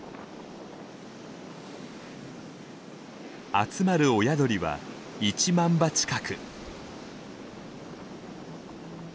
集まる親鳥は１万羽近く。